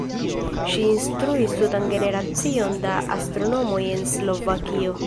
Ŝi instruis tutan generacion da astronomoj en Slovakio.